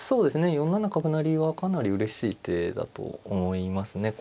４七角成はかなりうれしい手だと思いますね。